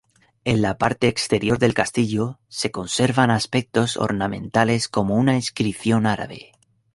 En la parte exterior del castillo se conservan aspectos ornamentales como una inscripción árabe.